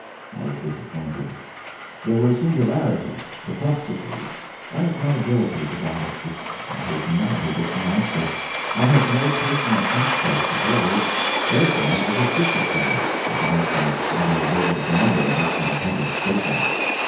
I was disappointed. There were singularities, perplexities, unaccountabilities about it which I was not able to master. I had no personal access to Boers their side was a secret to me, aside from what I was able to gather of it from published statements.